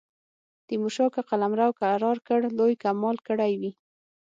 تیمورشاه که قلمرو کرار کړ لوی کمال کړی وي.